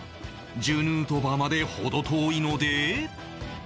１０ヌートバーまで程遠いので